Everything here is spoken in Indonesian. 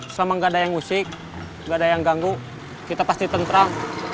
selama gak ada yang ngusik gak ada yang ganggu kita pasti tentram